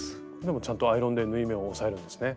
ちゃんとアイロンで縫い目を押さえるんですね。